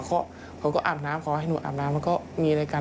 เขาก็อาบน้ำพอให้หนูอาบน้ำมันก็มีอะไรกัน